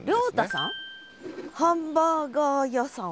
ハンバーガー屋さん？